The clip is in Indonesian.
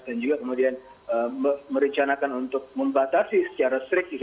dan juga kemudian merencanakan untuk membatasi secara strik